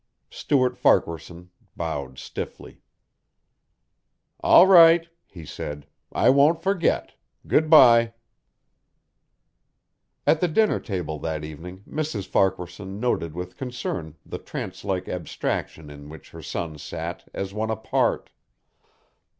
Stuart Farquaharson bowed stiffly. "All right," he said. "I won't forget. Good by." At the dinner table that evening Mrs. Farquaharson noted with concern the trance like abstraction in which her son sat, as one apart.